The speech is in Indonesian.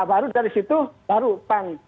baru dari situ baru pan